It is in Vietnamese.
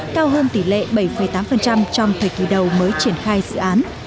cao hơn tỷ lệ bảy tám trong thời kỳ đầu mới triển khai dự án